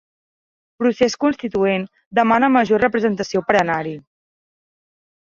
Procés Constituent demana major representació per anar-hi